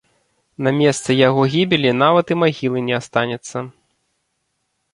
На месцы яго гібелі нават і магілы не астанецца.